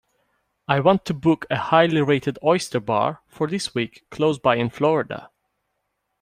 I want to book a highly rated oyster bar for this week close by in Florida.